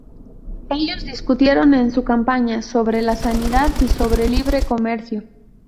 Ellos discutieron en su campaña sobre la sanidad y sobre Libre comercio.